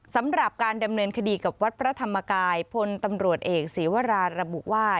สำหรับการดำเนินคดีกับวัดพระธรรมกายพลตำรวจเอกศีวราระบุว่า